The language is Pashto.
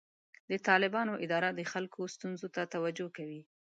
د طالبانو اداره د خلکو ستونزو ته توجه کوي.